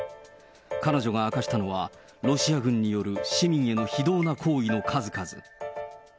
彼女が明かしたのは、ロシア軍による市民への非道な行為の数々。